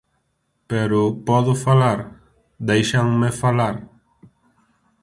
Pero ¿podo falar?, ¿déixanme falar?